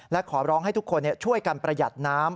และขอร้องให้ทุกคนช่วยกันประหยัดน้ำ